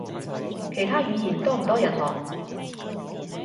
其他語言多唔多人學？